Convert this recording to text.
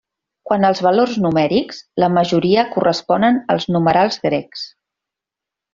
Quant als valors numèrics, la majoria corresponen als numerals grecs.